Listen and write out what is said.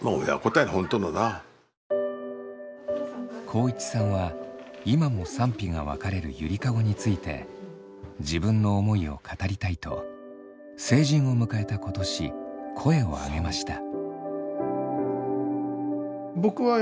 航一さんは今も賛否が分かれるゆりかごについて自分の思いを語りたいと成人を迎えた今年声を上げました。